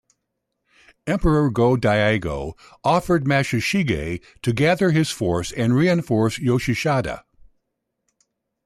Emperor Go-Daigo ordered Masashige to gather his force and reinforce Yoshisada.